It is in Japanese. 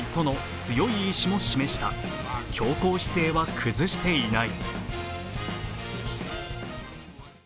強硬姿勢は崩していない。